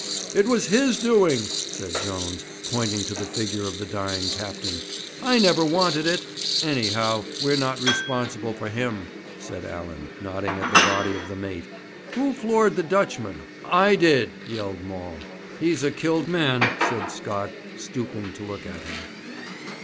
'It was his doing!' said Jones, pointing to the figure of the dying captain. 'I never wanted it!' 'Anyhow, we're not responsible for him,' said Allan, nodding at the body of the mate. 'Who floored the Dutchman?' 'I did!' yelled Maul. 'He's a killed man,' said Scott, stooping to look at him.